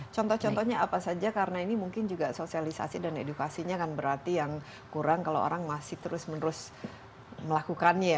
contoh contohnya apa saja karena ini mungkin juga sosialisasi dan edukasinya kan berarti yang kurang kalau orang masih terus menerus melakukannya ya